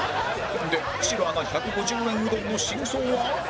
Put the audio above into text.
で久代アナ１５０円うどんの真相は？